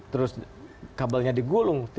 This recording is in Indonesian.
terus kabelnya digulung